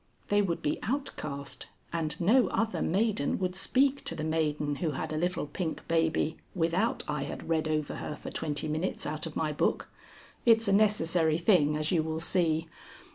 They would be outcast, and no other maiden would speak to the maiden who had a little pink baby without I had read over her for twenty minutes out of my book. It's a necessary thing, as you will see.